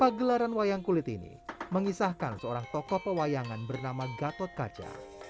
pagelaran wayang kulit ini mengisahkan seorang tokoh pewayangan bernama gatot kaca